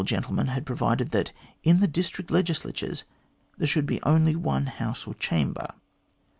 gentleman had provided that in the district legislatures there should be only one house or chamber.